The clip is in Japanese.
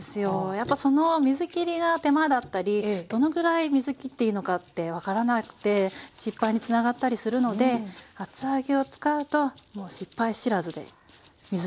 やっぱその水きりが手間だったりどのぐらい水きっていいのかって分からなくて失敗につながったりするので厚揚げを使うともう失敗知らずで水きりもなし。